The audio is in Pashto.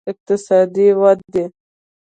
اقتصادي ودې